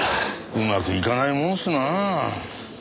うまくいかないもんですな。